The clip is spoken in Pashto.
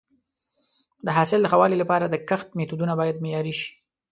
د حاصل د ښه والي لپاره د کښت میتودونه باید معیاري شي.